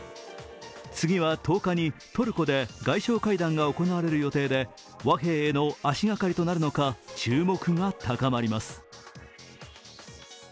次は１０日にトルコで外相会談が行われる予定で和平への足掛かりになるのか注目が高まります。